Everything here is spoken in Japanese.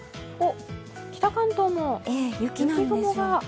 北関東も雪雲が。